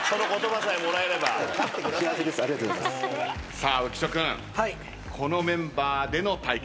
さあ浮所君このメンバーでの対決です。